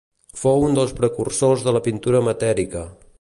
Fou un dels precursors de la pintura matèrica.